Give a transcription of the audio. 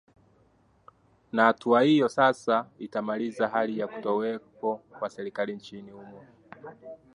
na hatua hiyo sasa itamaliza hali ya kutokuwepo kwa serikali nchini humo